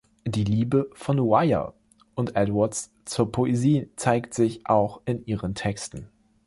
Die Liebe von Wire und Edwards zur Poesie zeigt sich auch in ihren Texten.